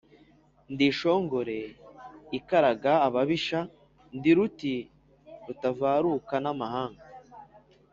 Ndi inshongore ikaraga ababisha, ndi ruti rutavaruka n’amahanga.